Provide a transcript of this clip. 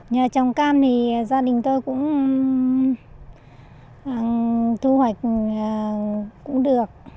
nhờ trồng cam thì gia đình tôi cũng thu hoạch cũng được